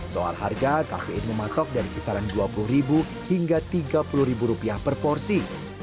soal harga cafe ini memakok dari kisaran dua puluh hingga tiga puluh rupiah per porsi